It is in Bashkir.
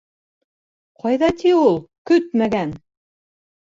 Ҡайҙа ти ул көтмәгән!